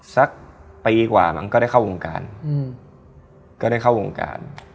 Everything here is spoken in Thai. สักปีกว่ามันก็ได้เข้าวงการ